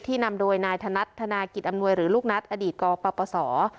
นำโดยนายธนัดธนากิจอำนวยหรือลูกนัทอดีตกปศ